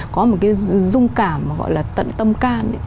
có một cái dung cảm gọi là tận tâm can